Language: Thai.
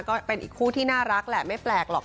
ก็เป็นอีกคู่ที่น่ารักแหละไม่แปลกหรอก